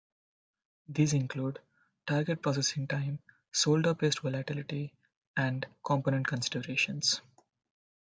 These include: target processing time, solder paste volatility, and component considerations.